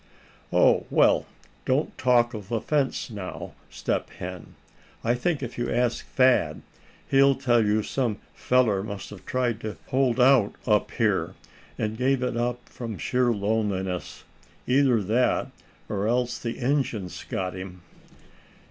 "Oh! well, don't talk of a fence now, Step Hen. I think if you ask Thad, he'll tell you some feller must a tried to hold out up here, and gave it up from sheer loneliness. Either that, or else the Injuns got him."